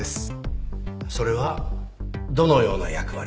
それはどのような役割ですか？